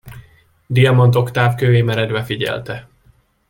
Diamant Oktáv kővé meredve figyelte.